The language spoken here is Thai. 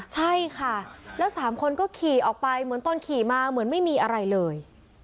ใช่ค่ะแล้ว๓คนก็ขี่ออกไปเหมือนตอนขี่มาเหมือนไม่มีอะไรเลย